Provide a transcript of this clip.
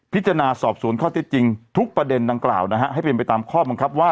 จะสอบสวนข้อเท็จจริงทุกประเด็นดังกล่าวนะฮะให้เป็นไปตามข้อบังคับว่า